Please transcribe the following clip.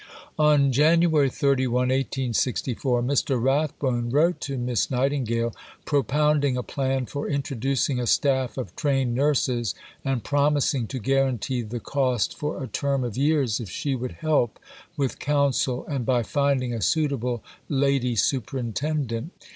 " On Jan. 31, 1864, Mr. Rathbone wrote to Miss Nightingale, propounding a plan for introducing a staff of trained nurses and promising to guarantee the cost for a term of years if she would help with counsel and by finding a suitable Lady Superintendent.